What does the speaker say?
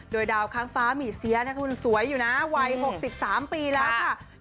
โดยดาวค้างฟ้าหมี่เสียนะคุณสวยอยู่นะวัย๖๓ปีแล้วค่ะ